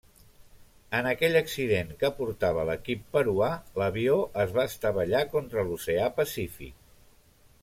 En aquell accident, que portava l'equip peruà, l'avió es va estavellar contra l'oceà Pacífic.